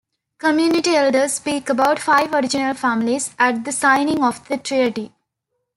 Community Elders speak about "five original families" at the signing of the treaty.